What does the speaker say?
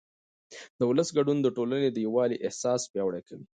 د ولس ګډون د ټولنې د یووالي احساس پیاوړی کوي